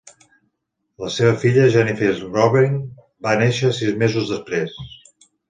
La seva filla, Jennifer Robin, va néixer sis mesos després.